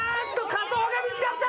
加藤が見つかった！